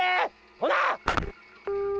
ほな！